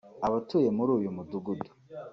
Abatuye muri uyu mudugudu